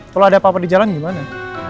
kalau ada apa apa di jalan gimana